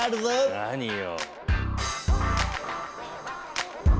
何よ。